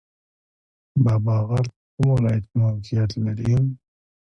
بابا غر په کوم ولایت کې موقعیت لري؟